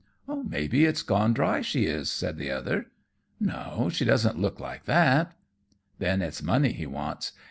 "May be it's gone dry she is," said the other. "No, she doesn't look like that." "Then it's money he wants.